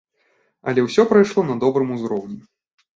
Але ўсё прайшло на добрым узроўні.